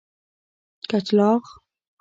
کچلاغ